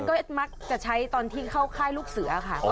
ก็ดิฉันก็จะใช้ตอนที่เข้าท่านภายในภายนูกเสือค่ะ